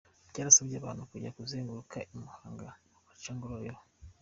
byarasabye abantu kujya kuzenguruka i Muhanga, bagaca Ngororero.